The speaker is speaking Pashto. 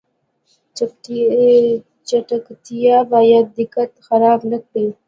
چټکتیا باید دقت خراب نکړي